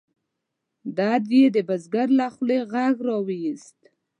درد یې د بزګر له خولې غږ را ویوست.